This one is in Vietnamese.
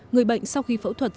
người bệnh sau khi phẫu thuật